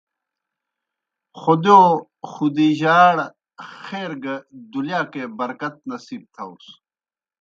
خودِیؤ خُدیجہؓ ئڑ خیر گہ دُلِیاکے برکت نصیب تھاؤس۔